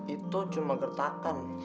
itu cuma gertakan